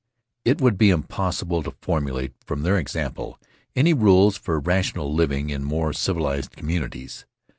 It would be impossible to formulate from their example any rules for rational living in more civilized communities.